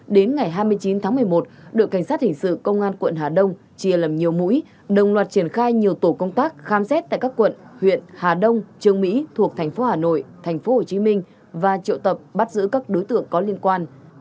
đến ngày hai mươi chín tháng một mươi một đội cảnh sát hình sự công an quận hà đông chia lầm nhiều mũi đồng loạt triển khai nhiều tổ công tác khám xét tại các quận huyện hà đông trường mỹ thuộc thành phố hà nội thành phố hồ chí minh và triệu tập bắt giữ các đối tượng có liên quan